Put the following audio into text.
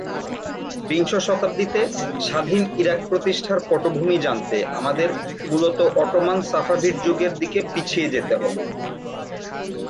বিংশ শতাব্দীতে স্বাধীন ইরাক প্রতিষ্ঠার পটভূমি জানতে আমাদের মূলত অটোম্যান-সাফাভিড যুগের দিকে পিছিয়ে যেতে হবে।